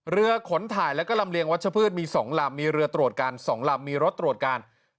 ขนถ่ายแล้วก็ลำเลียงวัชพืชมี๒ลำมีเรือตรวจการ๒ลำมีรถตรวจการ